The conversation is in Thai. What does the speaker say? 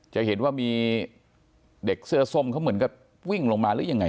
จะเห็นว่ามีเด็กเสื้อส้มเขาเหมือนกับวิ่งลงมาหรือยังไง